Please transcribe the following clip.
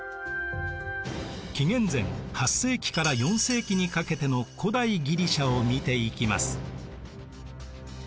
紀元前８世紀から４世紀にかけての古代ギリシアを見ていきます。